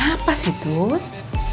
apa sih tut